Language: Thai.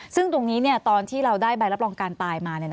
ซึ่งตรงนี้ตอนที่เราได้ใบรับรองการตายมา